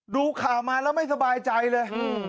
ดูข่าวมาแล้วไม่สบายใจเลย